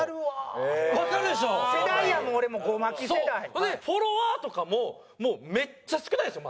ほんでフォロワーとかもめっちゃ少ないんですよ